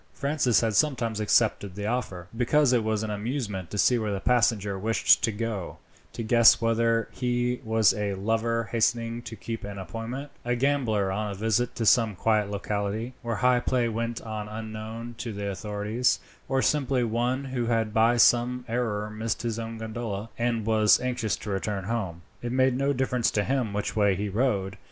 Francis had sometimes accepted the offer, because it was an amusement to see where the passenger wished to go to guess whether he was a lover hastening to keep an appointment, a gambler on a visit to some quiet locality, where high play went on unknown to the authorities, or simply one who had by some error missed his own gondola, and was anxious to return home. It made no difference to him which way he rowed.